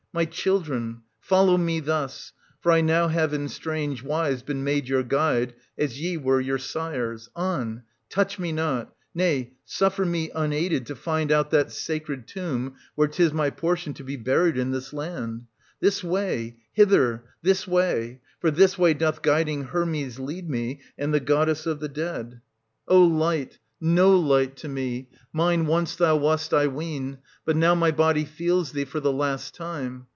My children, follow me, — thus, — for I now have in strange wise been made your guide, as ye were your sire's. On, — touch me not, — nay, suffer me unaided to find out that sacred tomb where 'tis my portion to be buried in this land. This way, — hither, — this way! — for this way doth Guiding Hermes lead me, and the goddess of the dead ! 8—2 ii6 SOPHOCLES, [1549— 1580 O light, — no light to me, — mine once thou wast, I 1550 ^^^xiy — but now my body feels thee for the last time